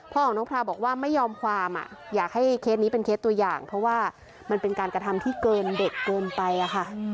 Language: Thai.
พ่อของน้องแพลวบอกว่าไม่ยอมความอยากให้เคสนี้เป็นเคสตัวอย่างเพราะว่ามันเป็นการกระทำที่เกินเด็กเกินไปอะค่ะ